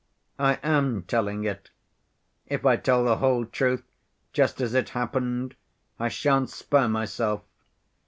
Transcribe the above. "I am telling it. If I tell the whole truth just as it happened I shan't spare myself.